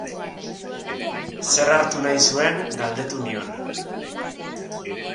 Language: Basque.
Zer hartu nahi zuen galdetu nion.